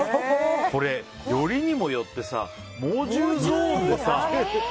これ、よりにもよって猛獣ゾーンでさ。